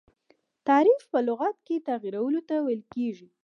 تحریف په لغت کي تغیرولو ته ویل کیږي.